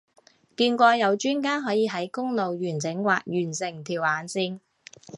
見過有專家可以喺公路完整畫完成條眼線